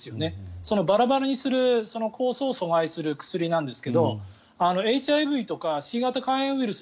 そのバラバラにする酵素を阻害する薬なんですけどＨＩＶとか新型肝炎ウイルス